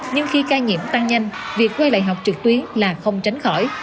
nhưng khi ca nhiễm tăng nhanh việc quay lại học trực tuyến là không tránh khỏi